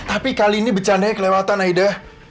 tapi kali ini bercandanya kelewatan aida